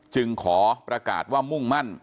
จึงขอประกาศว่ามุ่งมั่น